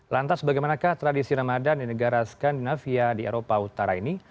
lantas bagaimanakah tradisi ramadan di negara skandinavia di eropa utara ini